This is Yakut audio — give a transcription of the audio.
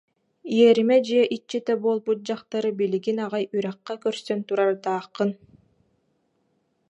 иэримэ дьиэ иччитэ буолбут дьахтары билигин аҕай үрэххэ көрсөн турардааххын